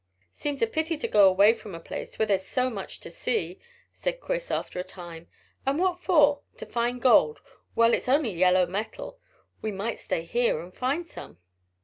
"Seems a pity to go away from a place where there's so much to see," said Chris, after a time. "And what for? To find gold. Well, it's only yellow metal. We might stay here and find some."